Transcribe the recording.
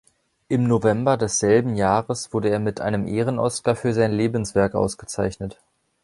Im November desselben Jahres wurde er mit einem Ehrenoscar für sein Lebenswerk ausgezeichnet.